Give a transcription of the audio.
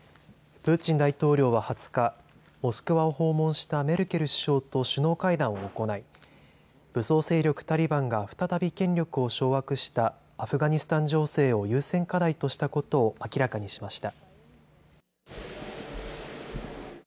プーチン大統領は２０日、モスクワを訪問したメルケル首相と首脳会談を行い、武装勢力タリバンが再び権力を掌握したアフガニスタン情勢を優先課題としたことを明らかにしました。